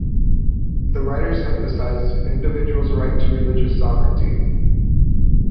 The writers emphasized an individual's right to religious sovereignty.